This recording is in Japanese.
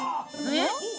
えっ？